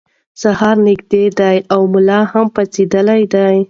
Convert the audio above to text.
سهار نږدې دی او ملا هم پاڅېدلی دی.